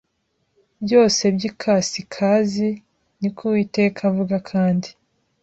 byose by ikasikazi ni ko Uwiteka avuga Kandi